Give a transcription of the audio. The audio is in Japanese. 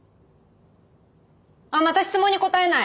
あっまた質問に答えない！